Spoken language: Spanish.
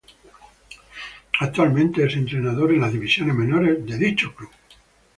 Actualmente es entrenador en las divisiones menores de dicho club.